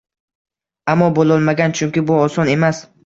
ammo bo‘lolmagan, chunki bu oson emas